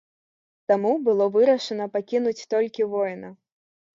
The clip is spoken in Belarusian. Таму было вырашана пакінуць толькі воіна.